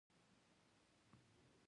ځنګلونه د افغانستان د سیلګرۍ برخه ده.